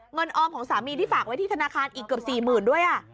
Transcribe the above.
ออมของสามีที่ฝากไว้ที่ธนาคารอีกเกือบ๔๐๐๐ด้วย